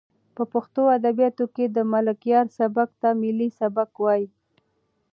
په پښتو ادبیاتو کې د ملکیار سبک ته ملي سبک وایي.